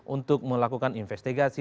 untuk melakukan investigasi